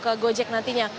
ke gojek nantinya